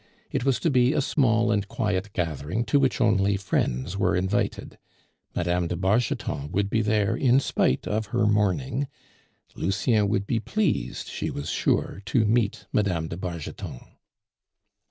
It was to be a small and quiet gathering to which only friends were invited Mme. de Bargeton would be there in spite of her mourning; Lucien would be pleased, she was sure, to meet Mme. de Bargeton.